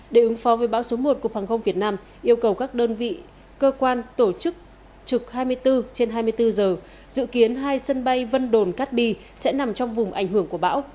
để ứng phó với bão số một cục hàng không việt nam yêu cầu các đơn vị cơ quan tổ chức trực hai mươi bốn trên hai mươi bốn giờ dự kiến hai sân bay vân đồn cát bi sẽ nằm trong vùng ảnh hưởng của bão